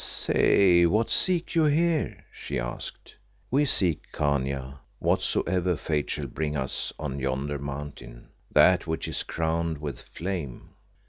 "Say, what seek you here?" she asked. "We seek, Khania, whatsoever Fate shall bring us on yonder Mountain, that which is crowned with flame."